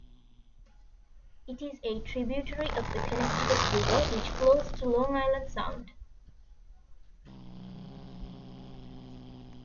It is a tributary of the Connecticut River, which flows to Long Island Sound.